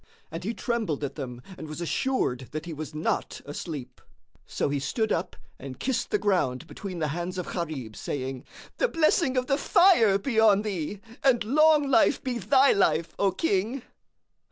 And he trembled at them and was assured that he was not asleep; so he stood up and kissed the ground between the hands of Gharib, saying, "The blessing of the Fire be on thee, and long life be thy life, O King!"